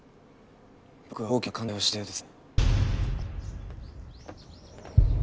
僕は大きな勘違いをしていたようです。